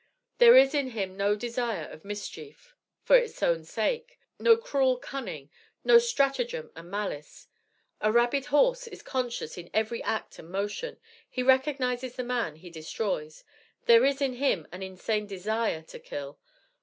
There is in him no desire of mischief for its own sake, no cruel cunning, no stratagem and malice. A rabid horse is conscious in every act and motion. He recognizes the man he destroys. There is in him an insane _desire to kill.